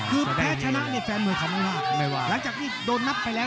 คือแพ้ชนะในแฟนมือของมันว่าหลังจากที่โดนนับไปแล้ว